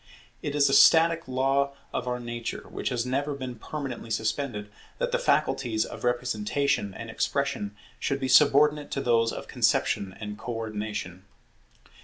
It is a static law of our nature, which has never been permanently suspended, that the faculties of Representation and Expression should be subordinate to those of Conception and Co ordination.